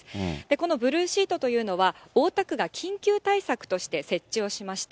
このブルーシートというのは、大田区が緊急対策として設置をしました。